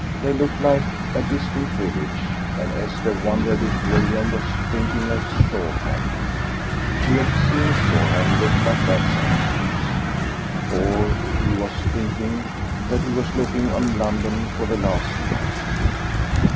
They looked like a distant village, and Esther wondered if William was thinking of Shoreham she had seen Shoreham look like that sometimes or if he was thinking that he was looking on London for the last time.